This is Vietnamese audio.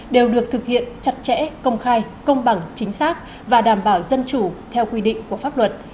đều được thực hiện chặt chẽ công khai công bằng chính xác và đảm bảo dân chủ theo quy định của pháp luật